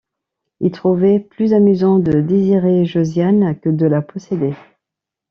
Il trouvait plus amusant de désirer Josiane que de la posséder.